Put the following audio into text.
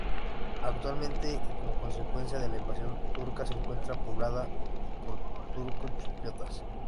Actualmente, y como consecuencia de la invasión turca, se encuentra poblada por turco-chipriotas.